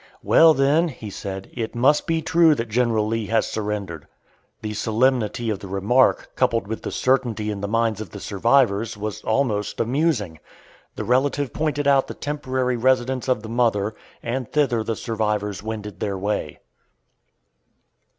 "Well, then," he said, "it must be true that General Lee has surrendered." The solemnity of the remark, coupled with the certainty in the minds of the survivors, was almost amusing. The relative pointed out the temporary residence of the mother, and thither the survivors wended their way.